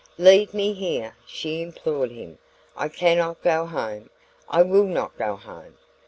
"Leave me here," she implored him. "I cannot go home! I will not go home!